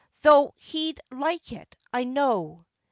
Though he'd like it, I know.